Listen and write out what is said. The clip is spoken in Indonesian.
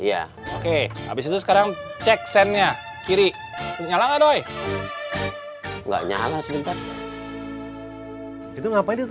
ya oke habis itu sekarang cek sendnya kiri nyala doi enggak nyala sebentar itu ngapain